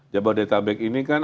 jabodetabek ini kan